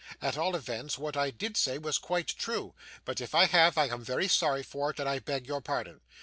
At all events, what I did say was quite true; but if I have, I am very sorry for it, and I beg your pardon.